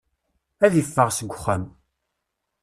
Ad iffeɣ seg uxxam.